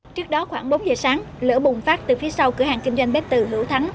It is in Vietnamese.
trước đó khoảng bốn giờ sáng lửa bùng phát từ phía sau cửa hàng kinh doanh bếp từ hữu thắng